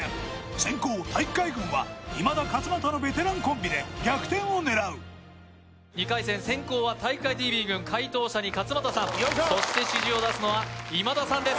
先攻体育会軍は今田・勝俣のベテランコンビで逆転を狙う２回戦先攻は体育会ＴＶ軍解答者に勝俣さんそして指示を出すのは今田さんです